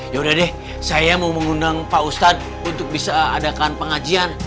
yaudah deh saya mau mengundang pak ustadz untuk bisa adakan pengajian